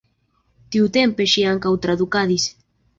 Tiutempe ŝi ankaŭ tradukadis.